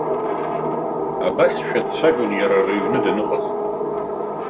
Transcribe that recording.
Абасшәа дцәажәон иара рыҩны даныҟаз.